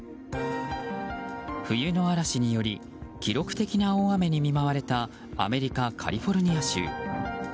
冬の嵐により記録的な大雨に見舞われたアメリカ・カリフォルニア州。